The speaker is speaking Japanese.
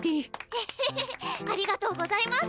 エヘヘヘありがとうございます。